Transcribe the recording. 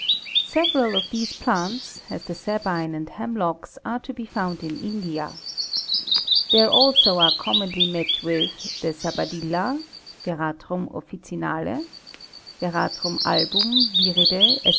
Several of these plants, as the sabine and hemlocks, are to be found in India. There also are commonly met with, the Sabadilla (Veratrum officinale) ; Veratrum album, viride, &c.